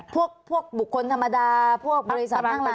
ผู้บุคคลธรรมดาผู้บริษัททางร้าน